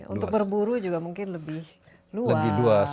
untuk berburu juga mungkin lebih luas